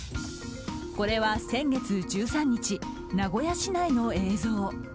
これは先月１３日名古屋市内の映像。